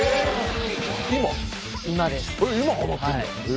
今、ハマってるんや？